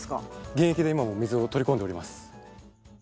現役で今も水を取り込んでおります。